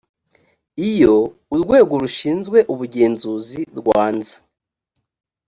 iyo urwego rushinzwe ubugenzuzi rwanze